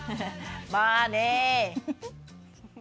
まあね。